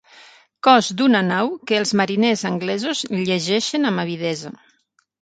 Cos d'una nau que els mariners anglesos llegeixen amb avidesa.